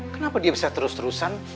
kenapa dia bisa terus terusan